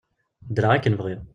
Ddreɣ akken bɣiɣ.